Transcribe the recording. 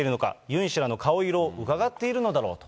ユン氏らの顔色をうかがっているのだろうと。